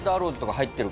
入ってる？